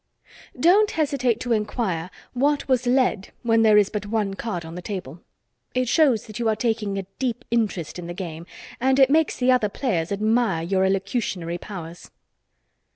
Don't hesitate to inquire what was led when there is but one card on the table. It shows that you are taking a deep interest in the game, and it makes the other players admire your elocutionary powers.